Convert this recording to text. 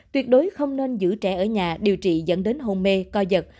tuyệt đối không nên giữ trẻ ở nhà điều trị dẫn đến hôn mê co giật